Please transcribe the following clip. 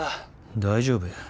大丈夫や。